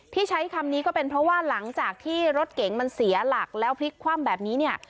ใช้คำนี้ก็เป็นเพราะว่าหลังจากที่รถเก๋งมันเสียหลักแล้วพลิกคว่ำแบบนี้เนี่ย